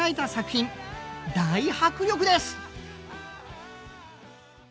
大迫力です！